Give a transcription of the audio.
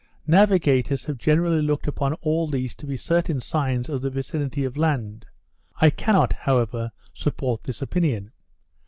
Navigators have generally looked upon all these to be certain signs of the vicinity of land; I cannot, however, support this opinion.